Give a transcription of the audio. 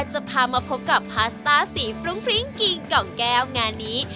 จะพามาพบกับพาสต้าสีฟรุ้งฟริ้งกิ่งกล่องแก้วงานนี้